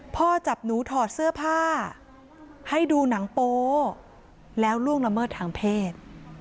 พ่อจับหนูถอดเสื้อผ้าให้ดูหนังโป๊แล้วล่วงละเมิดทางเพศ